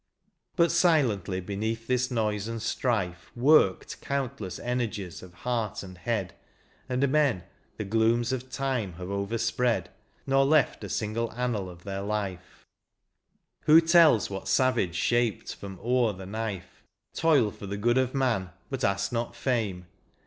But sUently beneath this noise and strife, Worked countless energies of heart and head, And men, the glooms of time have overspread, Nor left a single annal of their life ; Who tells what savage shaped from ore the knife ? Toil for the good of man, but ask not fame.